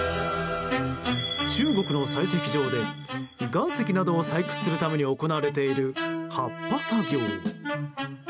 中国の採石場で岩石などを採掘するために行われている発破作業。